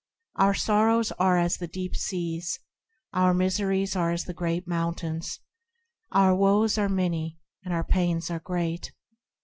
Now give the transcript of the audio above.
Our sorrows are as the deep seas, Our miseries are as the great mountains, Our woes are many, and our pains are great.